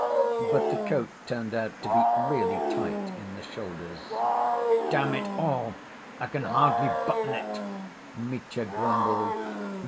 But the coat turned out to be really tight in the shoulders. "Damn it all! I can hardly button it," Mitya grumbled.